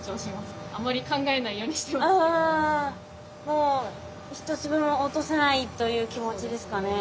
もう一粒も落とさないという気持ちですかね。